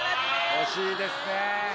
惜しいですね。